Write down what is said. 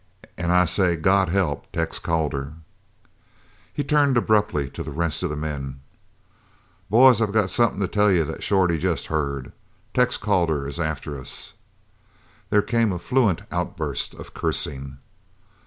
An' I say, God help Tex Calder!" He turned abruptly to the rest of the men. "Boys, I got somethin' to tell you that Shorty jest heard. Tex Calder is after us." There came a fluent outburst of cursing.